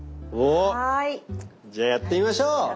おじゃあやってみましょう！